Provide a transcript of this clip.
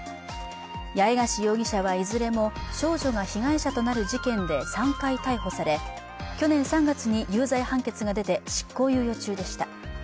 八重樫容疑者はいずれも少女が被害者となる事件で３回逮捕され去年３月に有罪判決が出て執行猶予中でした。